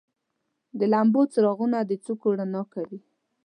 د لمبو څراغونه د کوڅو رڼا کوي.